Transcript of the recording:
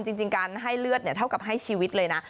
จริงการให้เลือดเท่ากับให้ชีวิตเลยนะ